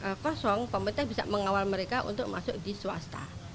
kalau kosong pemerintah bisa mengawal mereka untuk masuk di swasta